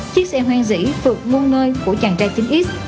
chiếc xe hoang dĩ phượt nguôn nơi của chàng trai chín x